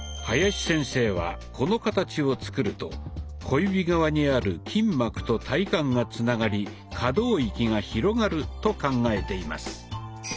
林先生はこの形を作ると小指側にある筋膜と体幹がつながり可動域が広がると考えています。